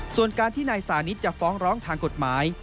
ส่วนการที่นายสานิทจะฟ้องร้องทางกฎหมาย